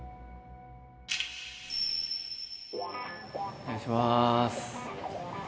お願いします。